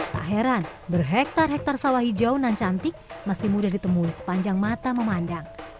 tak heran berhektar hektare sawah hijau nan cantik masih mudah ditemui sepanjang mata memandang